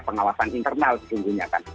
pengawasan internal sejujurnya kan